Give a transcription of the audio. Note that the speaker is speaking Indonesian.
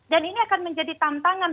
dan ini akan menjadi tantangan